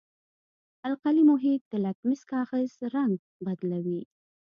القلي محیط د لتمس کاغذ رنګ بدلوي.